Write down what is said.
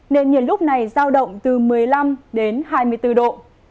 nền nhiệt lúc này giao động từ một mươi năm đến hai mươi bốn độ